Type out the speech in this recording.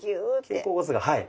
肩甲骨がはい。